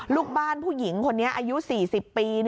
ลูกบ้านผู้หญิงคนนี้อายุ๔๐ปี